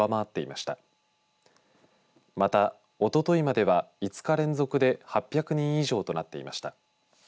また、おとといまでは５日連続で８００人以上となっていました。